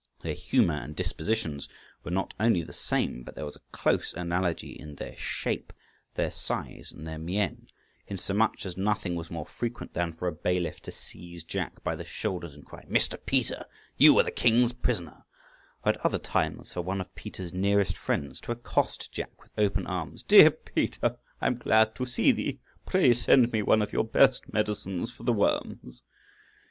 Their humour and dispositions were not only the same, but there was a close analogy in their shape, their size, and their mien; insomuch as nothing was more frequent than for a bailiff to seize Jack by the shoulders and cry, "Mr. Peter, you are the king's prisoner;" or, at other times, for one of Peter's nearest friends to accost Jack with open arms: "Dear Peter, I am glad to see thee; pray send me one of your best medicines for the worms."